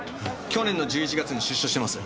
去年の１１月に出所してます。